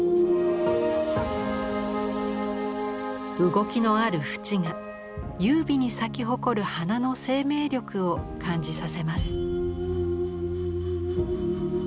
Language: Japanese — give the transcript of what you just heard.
動きのある縁が優美に咲き誇る花の生命力を感じさせます。